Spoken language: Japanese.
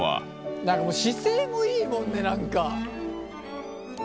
何か姿勢もいいもんね何か。